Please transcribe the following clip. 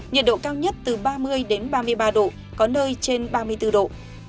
nhiệt độ cao nhất từ ba mươi ba mươi ba độ có nơi trên ba mươi bốn độ